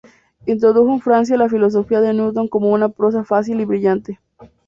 Introdujo en Francia la filosofía de Newton con una prosa fácil y brillante.